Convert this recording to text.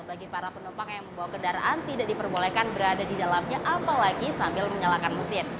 bagi para penumpang yang membawa kendaraan tidak diperbolehkan berada di dalamnya apalagi sambil menyalakan mesin